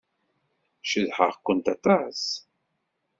Cedhaɣ-kent aṭas.